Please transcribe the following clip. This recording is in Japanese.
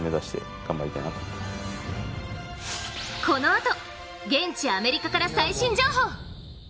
このあと、現地アメリカから最新情報。